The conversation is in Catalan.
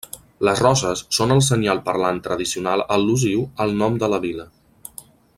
Les roses són el senyal parlant tradicional al·lusiu al nom de la vila.